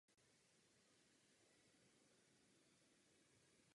Toto je více než jen politická záležitost sousedního státu.